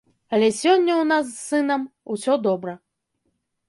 Але сёння ў нас з сынам усё добра.